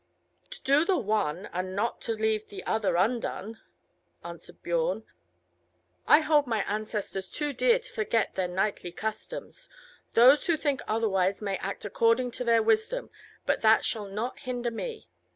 "To do the one, and not to leave the other undone," answered Biorn. "I hold my ancestors too dear to forget their knightly customs. Those who think otherwise may act according to their wisdom, but that shall not hinder me.